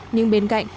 nhưng bên cạnh